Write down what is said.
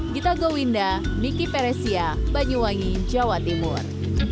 gita gowinda miki peresia banyuwangi jawa timur